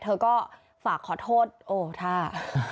เธอก็ฝากขอโทษโอท่า